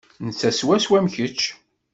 Netta swaswa am kečč.